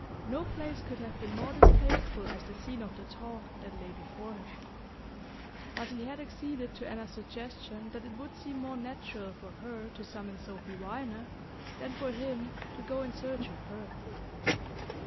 No place could have been more distasteful as the scene of the talk that lay before him; but he had acceded to Anna's suggestion that it would seem more natural for her to summon Sophy Viner than for him to go in search of her.